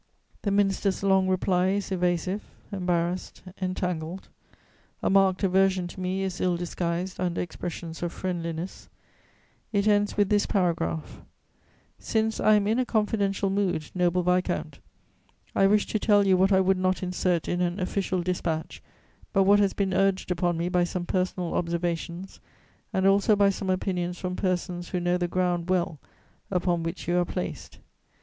The minister's long reply is evasive, embarrassed, entangled; a marked aversion to me is ill disguised under expressions of friendliness; it ends with this paragraph: "Since I am in a confidential mood, noble viscount, I wish to tell you what I would not insert in an official dispatch, but what has been urged upon me by some personal observations and also by some opinions from persons who know the ground well upon which you are placed.